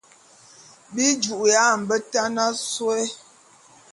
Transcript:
Bi ju'uya a mbetan asôé.